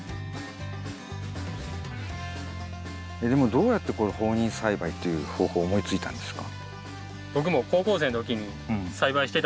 どうやってこれ放任栽培っていう方法を思いついたんですか？